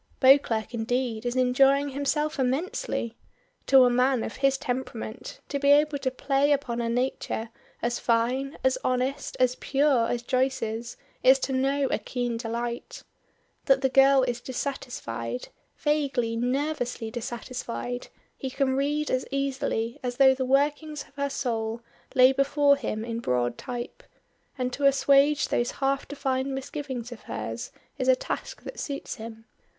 Beauclerk indeed is enjoying himself immensely. To a man of his temperament to be able to play upon a nature as fine, as honest, as pure as Joyce's is to know a keen delight. That the girl is dissatisfied, vaguely, nervously dissatisfied, he can read as easily as though the workings of her soul lay before him in broad type, and to assuage those half defined misgivings of hers is a task that suits him.